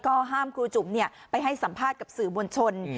ก็ห้ามครูจุ๋มไปให้สัมภาษณ์กับสื่อมวลชน